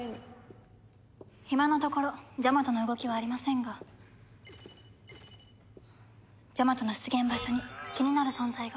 今のところジャマトの動きはありませんがジャマトの出現場所に気になる存在が。